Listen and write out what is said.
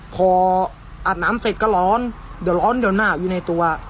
พออาบน้ำเสร็จก็ร้อนเดี๋ยวร้อนเดี๋ยวหนาวอยู่ในตัว